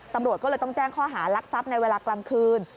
ตำรวจก็เลยต้องแจ้งข้อหารักทรัพย์ในเวลากลางคืน